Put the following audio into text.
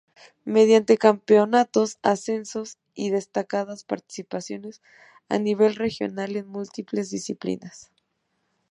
Mediante campeonatos, ascensos y destacadas participaciones a nivel regional en múltiples disciplinas.